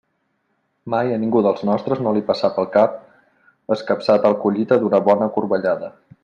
Mai a ningú dels nostres no li passà pel cap escapçar tal collita d'una bona corbellada.